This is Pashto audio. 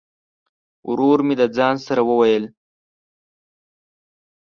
ورور مي د ځان سره وویل !